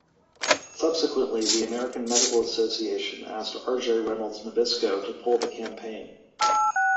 Subsequently, the American Medical Association asked R. J. Reynolds Nabisco to pull the campaign.